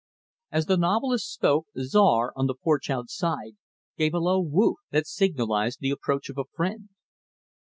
As the novelist spoke, Czar, on the porch outside, gave a low "woof" that signalized the approach of a friend.